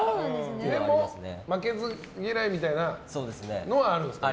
負けず嫌いみたいなのはあるんですね。